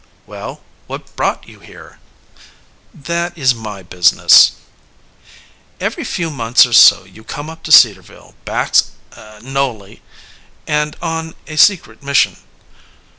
"Well, what brought you here?" "That is my business." "Every few months or so you come up to Cedarville, Baxt Nolly, and on a secret mission."